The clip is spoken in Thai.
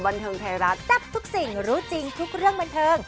บันเทิงไทยรัฐแซ่บทุกสิ่งรู้จริงทุกเรื่องบันเทิง